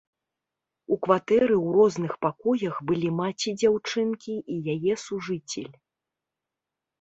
У кватэры ў розных пакоях былі маці дзяўчынкі і яе сужыцель.